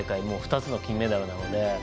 もう２つの金メダルなので。